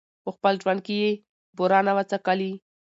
په خپل ژوند کي یې بوره نه وه څکلې